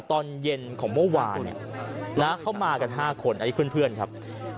ตอนเย็นของเมื่อวานเนี่ยนะเขามากัน๕คนอันนี้เพื่อนครับ